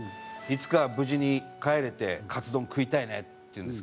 「いつか無事に帰れてカツ丼食いたいね」って言うんですけど。